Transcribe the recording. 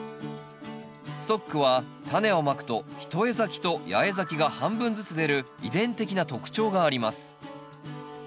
ストックはタネをまくと一重咲きと八重咲きが半分ずつ出る遺伝的な特徴があります。